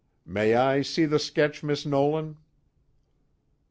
_ "May I see the sketch, Miss Nolan?"